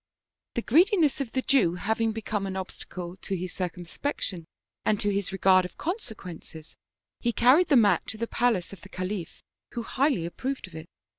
" The greediness of the Jew having become an obstacle to his circumspection and to his regard of consequences, he carried the mat to the palace of the Khalif, who highly approved of it.